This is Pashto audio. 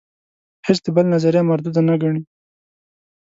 هیڅ د بل نظریه مرودوده نه ګڼي.